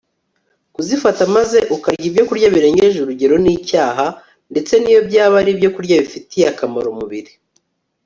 kutifata maze ukarya ibyokurya birengeje urugero ni icyaha, ndetse n'iyo byaba ari ibyokurya bifitiye akamaro umubiri